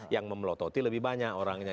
yang memelototi lebih banyak orangnya